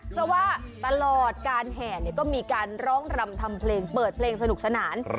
เพราะว่าตลอดการแห่ก็มีการร้องรำทำเพลงเปิดเพลงสนุกสนาน